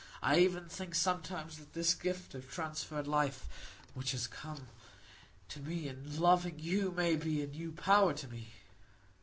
I even think sometimes that this gift of transferred life which has come to me in loving you, may be a new power to me.